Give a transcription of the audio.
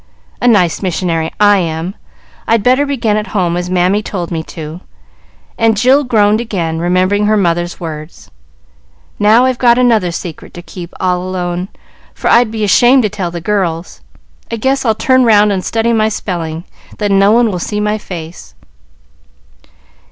A nice missionary I am; I'd better begin at home, as Mammy told me to;" and Jill groaned again, remembering her mother's words. "Now I've got another secret to keep all alone, for I'd be ashamed to tell the girls. I guess I'll turn round and study my spelling; then no one will see my face."